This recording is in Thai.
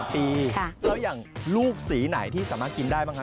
แล้วอย่างลูกสีไหนที่สามารถกินได้บ้างคะ